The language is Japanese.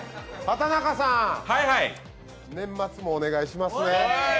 畑中さん、年末もお願いしますね。